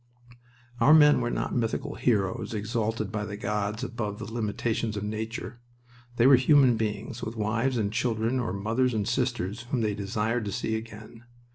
Our men were not mythical heroes exalted by the gods above the limitations of nature. They were human beings, with wives and children, or mothers and sisters, whom they desired to see again.